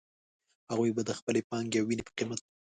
هغوی به د خپلې پانګې او وينې په قيمت.